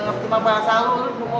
jadi gue ikutan juga